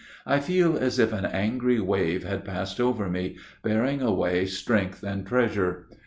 I feel as if an angry wave had passed over me, bearing away strength and treasure.